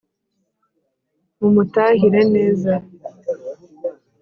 mumutahire neza